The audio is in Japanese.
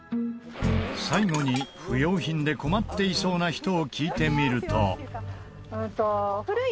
最後に不要品で困っていそうな人を聞いてみると。